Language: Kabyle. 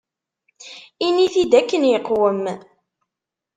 Ini-t-id akken iqwem.